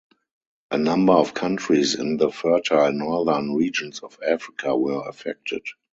A number of countries in the fertile northern regions of Africa were affected.